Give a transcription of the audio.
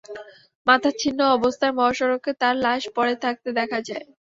মাথা ছিন্ন অবস্থায় মহাসড়কে তাঁর লাশ পড়ে থাকতে দেখা যায়।